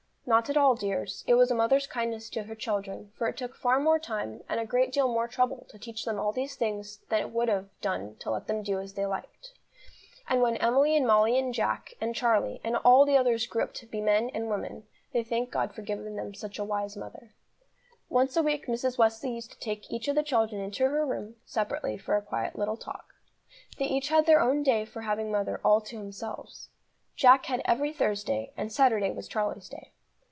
Not at all, dears, it was a mother's kindness to her children; for it took far more time, and a great deal more trouble to teach them all these things than it would have done to let them do as they liked. And when Emily and Mollie and Jack and Charlie and all the others grew up to be men and women, they thanked God for giving them such a wise mother. Once a week Mrs. Wesley used to take each of the children into her room, separately, for a quiet little talk. They each had their own day for having mother all to themselves. Jack had every Thursday, and Saturday was Charlie's day.